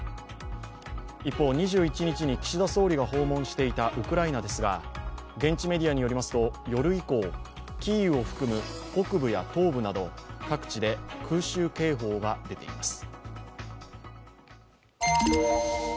一方、２１日に岸田総理が訪問していたウクライナですが現地メディアによりますと、夜以降キーウを含む北部や東部など各地で空襲警報が出ています。